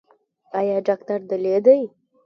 ایا ډاکټر دلې دی؟